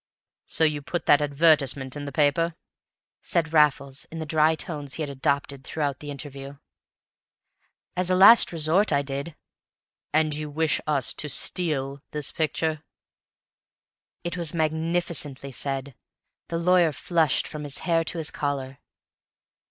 "So you put that advertisement in the paper?" said Raffles, in the dry tones he had adopted throughout the interview. "As a last resort. I did." "And you wish us to STEAL this picture?" It was magnificently said; the lawyer flushed from his hair to his collar.